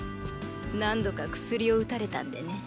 何度か薬を打たれたんでね。